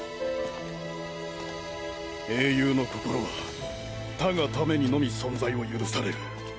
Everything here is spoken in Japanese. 英雄の心は他が為にのみ存在を許される。